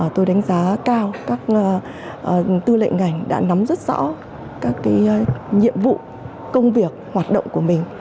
tôi đánh giá cao các tư lệnh ngành đã nắm rất rõ các nhiệm vụ công việc hoạt động của mình